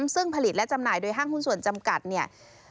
ซึ่งผลิตและจำหน่ายโดยห้างหุ้นส่วนจำกัดเนี่ย